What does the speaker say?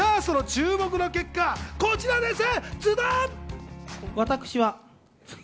注目の結果、こちらです。